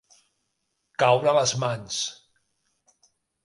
Caure a les mans.